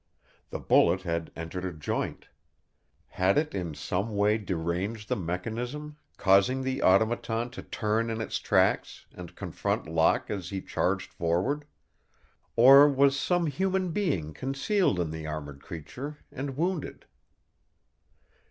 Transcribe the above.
The bullet had entered a joint. Had it in some way deranged the mechanism, causing the Automaton to turn in its tracks and confront Locke as he charged forward? Or was some human being concealed in the armored creature and wounded?